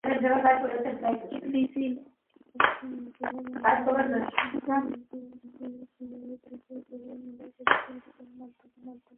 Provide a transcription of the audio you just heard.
অস্ট্রেলিয়াকে এবার বাংলাদেশ শক্ত চ্যালেঞ্জই ছুড়ে দেবে বলে মনে করছে অস্ট্রেলীয় সংবাদমাধ্যম।